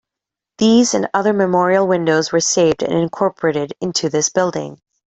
These and other memorial windows were saved and incorporated into this building.